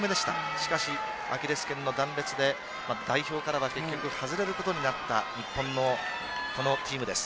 しかし、アキレス腱の断裂で代表からは外れることになった日本のチームです。